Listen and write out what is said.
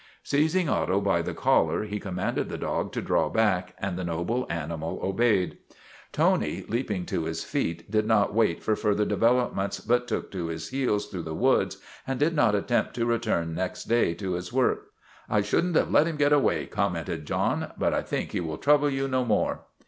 Seizing Otto by the collar he commanded the dog to draw back, and the noble animal obeyed. Tony, leaping to his feet, did not wait for further developments but took to his heels through the woods and did not attempt to return next day to his work. ' I should n't have let him get away," commented John, " but I think he will trouble you no more."